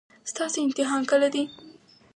ستاسو امتحان کله دی؟